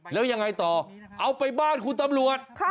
แล้วยังไงต่อเอาไปบ้านคุณตำรวจ